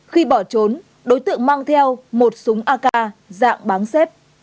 khi bỏ trốn đối tượng mang theo một súng ak dạng bán xếp